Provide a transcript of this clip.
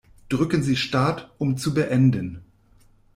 Drücken Sie Start, um zu beenden.